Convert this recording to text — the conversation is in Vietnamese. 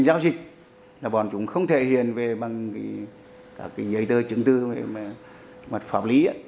giao dịch là bọn chúng không thể hiện về bằng cái giấy tờ chứng tư mà pháp lý